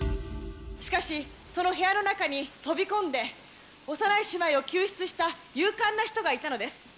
しかし、その部屋の中に飛び込んで、幼い姉妹を救出した勇敢な人がいたのです。